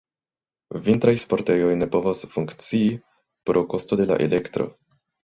Vintraj sportejoj ne povos funkcii pro kosto de la elektro.